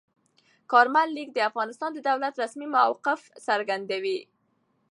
کارمل لیک د افغانستان د دولت رسمي موقف څرګندوي.